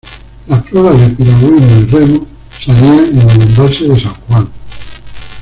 Las pruebas de piragüismo y remo se harían en el embalse de San Juan.